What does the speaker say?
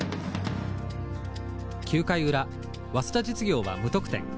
９回裏早稲田実業は無得点。